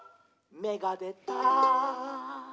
「めがでた！」